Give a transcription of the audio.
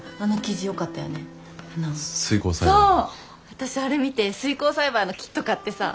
私あれ見て水耕栽培のキット買ってさ。